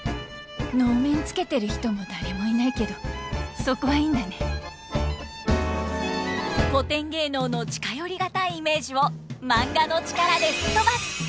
能面つけてる人も誰もいないけどそこはいいんだね古典芸能の近寄り難いイメージをマンガの力でふっとばす！